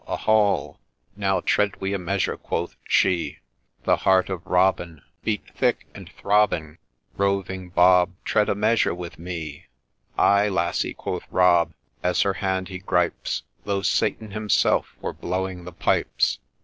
a hall I Now tread we a measure,' quoth she — The heart of Robin Beat thick and throbbing —' Roving Bob, tread a measure with me !'' Ay, lassie !' 'quoth Rob, as her hand he gripes, ' Though Satan himself were blowing the pipes